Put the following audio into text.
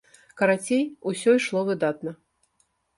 Карацей, усё ішло выдатна.